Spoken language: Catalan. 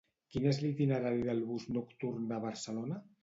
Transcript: Quin és l'itinerari del bus nocturn de Barcelona?